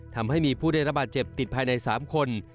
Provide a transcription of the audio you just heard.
ทำให้มีผู้ได้รับบาดเจ็บติดภายใน๓คน